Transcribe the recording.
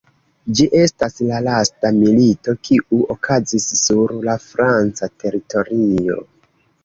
Ĝi estas la lasta milito, kiu okazis sur la franca teritorio.